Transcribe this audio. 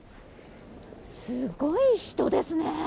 すごい人ですね。